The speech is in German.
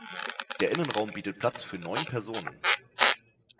Der Innenraum bietet Platz für neun Personen.